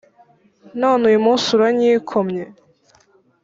none uyu munsi uranyikomye